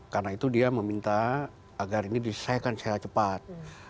karena itu dia meminta agar ini diselesaikan secara cepat